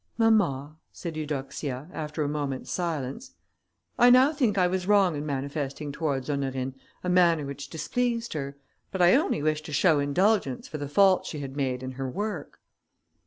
"Mamma," said Eudoxia, after a moment's silence, "I now think I was wrong in manifesting towards Honorine a manner which displeased her, but I only wished to show indulgence for the faults she had made in her work."